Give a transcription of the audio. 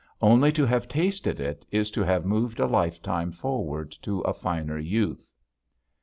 Only to have tasted it is to have moved a lifetime forward to a finer youth.